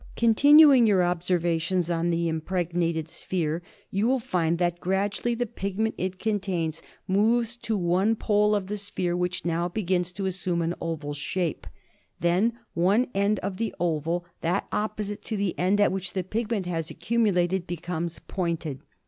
94 MALARIA. Continuing your observations on the impregnated sphere, you will hnd that gradually the pigment it coa tains moves to one pole of the sphere which now begins to assume an oval shape. Then one end of the oval, that opposite to the end at which the pigment has accumu lated, becomes pointed.